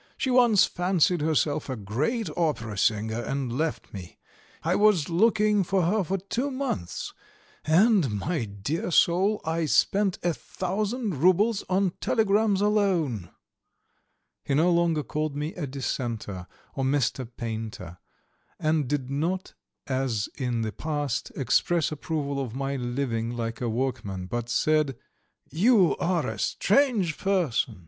"She once fancied herself a great opera singer and left me; I was looking for her for two months, and, my dear soul, I spent a thousand roubles on telegrams alone." He no longer called me a dissenter or Mr. Painter, and did not as in the past express approval of my living like a workman, but said: "You are a strange person!